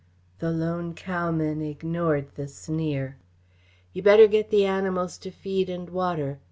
The lone cowman ignored the sneer. "You better get the animals to feed and water.